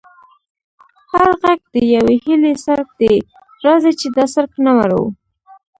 هر غږ د یوې هیلې څرک دی، راځه چې دا څرک نه مړوو.